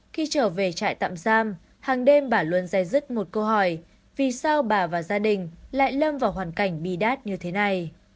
khi trở về trại tạm giam hàng đêm bà luôn dây dứt một câu hỏi vì sao bà và gia đình lại lâm vào hoàn cảnh bì đát như thế này